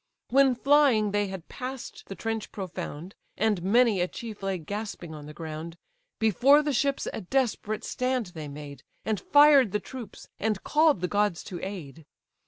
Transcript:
When flying they had pass'd the trench profound, And many a chief lay gasping on the ground; Before the ships a desperate stand they made, And fired the troops, and called the gods to aid.